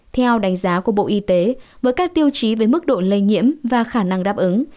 theo đánh giá của bộ y tế với các tiêu chí về mức độ lây nhiễm và khả năng đáp ứng